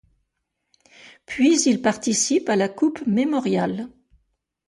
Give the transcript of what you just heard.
Puis, ils participent à la Coupe Memorial.